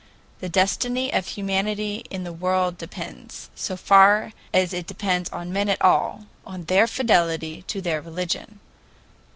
The destiny of humanity in the world depends, so far as it depends on men at all, on their fidelity to their religion.